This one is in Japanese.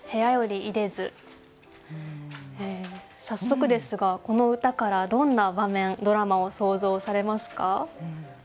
早速ですがこの歌からどんな場面ドラマを想像されますか？